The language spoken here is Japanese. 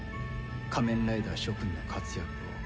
仮面ライダー諸君の活躍を。